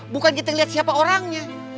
bukan kita lihat siapa orangnya